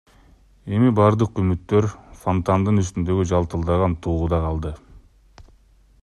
Эми бардык үмүттөр фонтандын үстүндөгү жалтылдаган тууда калды.